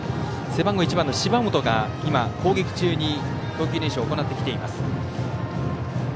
背番号１番の芝本が、攻撃中に投球練習を行ってきています。